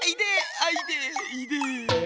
あいでぇいでぇ。